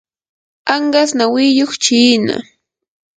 anqas nawiyuq chiina.